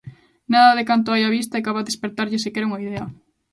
Nada de canto hai á vista é capaz de espertarlle sequera unha idea.